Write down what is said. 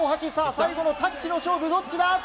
最後のタッチの勝負、どっちだ？